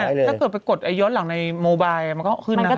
ถ้าเกิดไปกดย้อนหลังในโมบายมันก็ขึ้นนะคะ